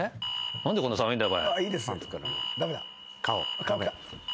何でこんな寒いんだ？